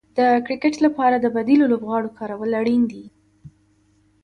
د کرکټ لپاره د بديلو لوبغاړو کارول اړين دي.